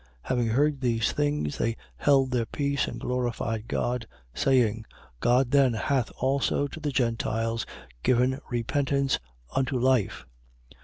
11:18. Having heard these things, they held their peace and glorified God, saying: God then hath also to the Gentiles given repentance, unto life.